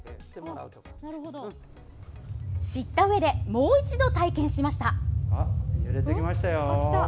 知ったうえでもう一度、体験しました。